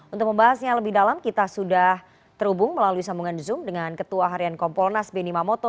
untuk membahasnya lebih dalam kita sudah terhubung melalui sambungan zoom dengan ketua harian kompolnas benny mamoto